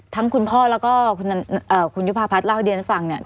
ทั้งคุณพ่อแล้วก็คุณนันเอ่อคุณยุภาพัฒน์เล่าให้เดี๋ยวนั้นฟังเนี่ย